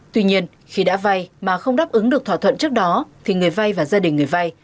tuy nhiên khi đã vay mà không đáp ứng được thỏa thuận trước đó thì người vay và gia đình người vay